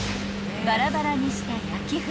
［バラバラにした焼き麩